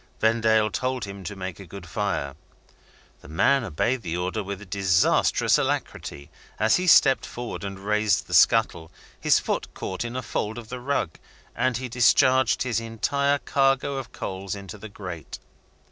Vendale told him to make a good fire. The man obeyed the order with a disastrous alacrity. As he stepped forward and raised the scuttle, his foot caught in a fold of the rug, and he discharged his entire cargo of coals into the grate.